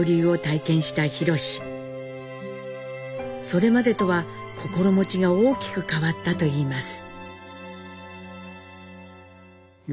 それまでとは心持ちが大きく変わったと言います。